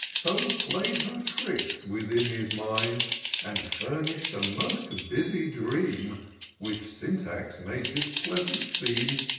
So play'd her tricks within his mind. And fumish'd a most busy dream^ Which Syntax made his pleasant theme.